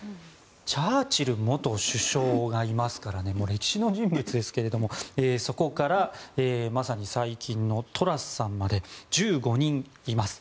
チャーチル元首相がいますから歴史の人物ですけれどもそこからまさに最近のトラスさんまで、１５人います。